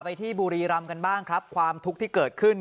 ที่บุรีรำกันบ้างครับความทุกข์ที่เกิดขึ้น